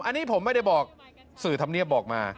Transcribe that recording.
อันนี้ผมไม่ได้บอกสื่อธรรมเนียบบอกมา